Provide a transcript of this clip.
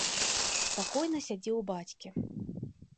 Спакойна сядзі ў бацькі.